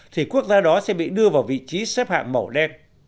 thì quốc gia đó sẽ bị đưa vào vị trí xếp hạng màu đen